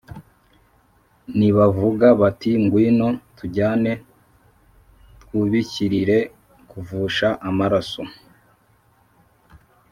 nibavuga bati “ngwino tujyane, twubikirire kuvusha amaraso,